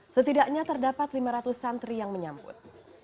setidaknya terdapat lima ratus santri yang menyambut